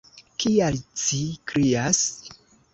Kial ci krias?